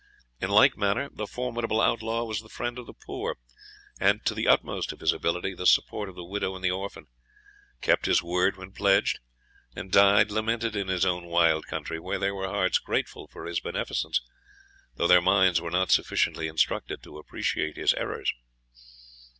In like manner, the formidable outlaw was the friend of the poor, and, to the utmost of his ability, the support of the widow and the orphan kept his word when pledged and died lamented in his own wild country, where there were hearts grateful for his beneficence, though their minds were not sufficiently instructed to appreciate his errors.